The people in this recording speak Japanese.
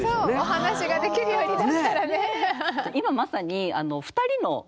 お話ができるようになったらね。